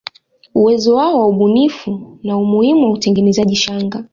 Uwezo wao wa ubunifu na umuhimu wa utengenezaji shanga